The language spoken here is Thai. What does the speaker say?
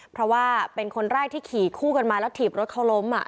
เพราะว่าเป็นคนแรกที่ขี่คู่กันมาแล้วถีบรถเขาล้ม